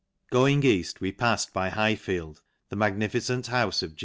Going eafr, we pafled by Highfield, the magnifi cent houfe of Ja?